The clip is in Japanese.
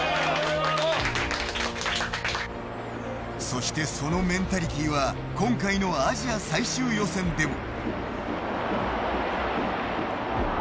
そして、そのメンタリティーは今回のアジア最終予選でも。